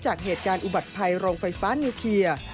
จากเหตุการณ์อุบัติภัยโรงไฟฟ้านิวเคลียร์